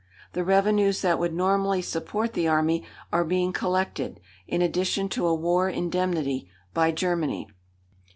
The revenues that would normally support the army are being collected in addition to a war indemnity by Germany.